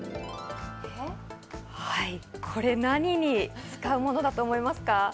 これ、何に使うものだと思いますか？